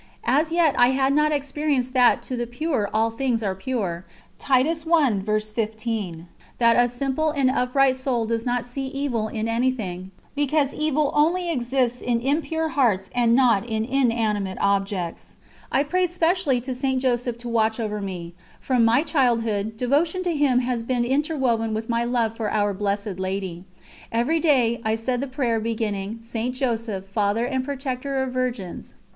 As yet I had not experienced that "to the pure all things are pure," that a simple and upright soul does not see evil in anything, because evil only exists in impure hearts and not in inanimate objects. I prayed specially to St. Joseph to watch over me; from my childhood, devotion to him has been interwoven with my love for our Blessed Lady. Every day I said the prayer beginning: "St. Joseph, Father and Protector of Virgins"